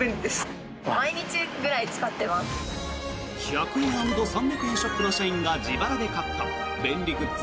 １００円＆３００円ショップの社員が自腹で買った便利グッズ